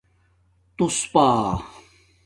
تُوس پݳ